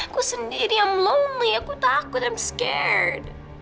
gue sendiri i'm lonely aku takut i'm scared